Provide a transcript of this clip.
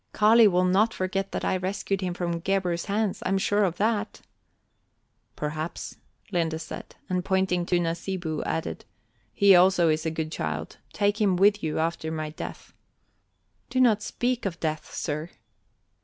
"Kali will not forget that I rescued him from Gebhr's hands, I am sure of that." "Perhaps," Linde said, and pointing at Nasibu added: "He also is a good child; take him with you after my death." "Do not speak of death, sir."